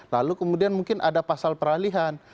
lalu kemudian mungkin ada pasal peralihan